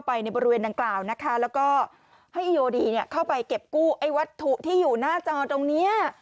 ไอ้วัตถุที่อยู่หน้าจอตรงนี้